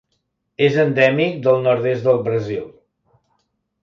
És endèmic del nord-est del Brasil.